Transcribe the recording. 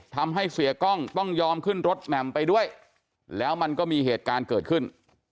ทำให้เสียกล้องต้องยอมขึ้นรถแหม่มไปด้วยแล้วมันก็มีเหตุการณ์เกิดขึ้น